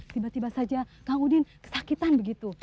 tiba tiba saja kang udin kesakitan begitu